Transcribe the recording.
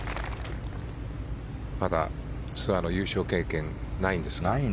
ただツアー優勝経験ないんです。